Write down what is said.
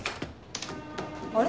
あれ？